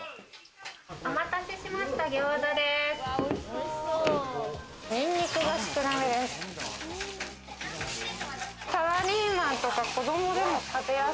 お待たせしました、餃子です。